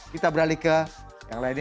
kita beralih ke yang lainnya